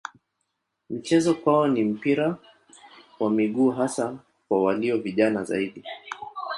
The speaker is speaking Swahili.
Michezo kwao ni mpira wa miguu hasa kwa walio vijana zaidi.